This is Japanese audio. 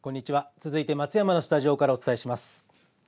続いて松山のスタジオからお伝えします。